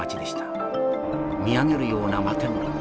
見上げるような摩天楼。